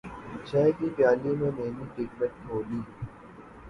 چائے کی پیالی میں نیلی ٹیبلٹ گھولی